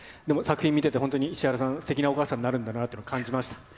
作品見てて、本当に石原さん、すてきなお母さんになるんだなって感じました。